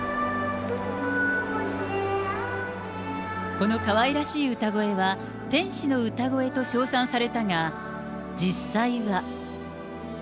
このかわいらしい歌声は、天使の歌声と賞賛されたが、実際は。